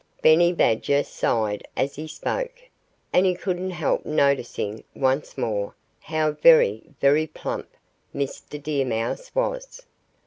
Benny Badger sighed as he spoke. And he couldn't help noticing, once more, how very, very plump Mr. Deer Mouse was.